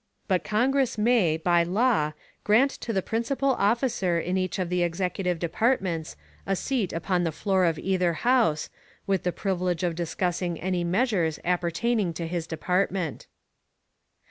_But Congress may, by law, grant to the principal officer in each of the executive departments a seat upon the floor of either House, with the privilege of discussing any measures appertaining to his department.